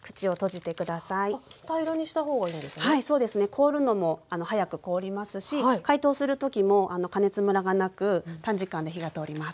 凍るのも速く凍りますし解凍する時も加熱ムラがなく短時間で火が通ります。